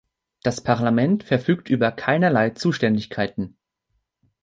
Das Parlament verfügt über keinerlei Zuständigkeiten.